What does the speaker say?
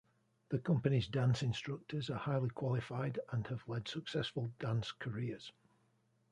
The company's dance instructors are highly qualified and have led successful dance careers.